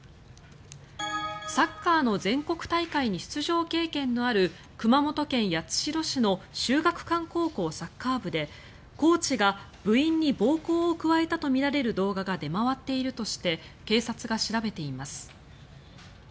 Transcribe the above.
サッカーの全国大会に出場経験のある熊本県八代市の秀岳館高校サッカー部でコーチが部員に暴行を加えたとみられる動画が出回っているとして警察が調べています。